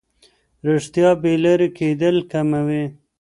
رښتیا بې لارې کېدل کموي.